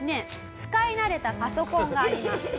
使い慣れたパソコンがあります。